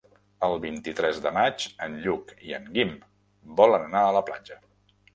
El vint-i-tres de maig en Lluc i en Guim volen anar a la platja.